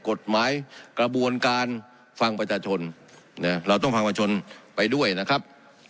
กระบวนการฟังประชาชนนะเราต้องฟังประชาชนไปด้วยนะครับ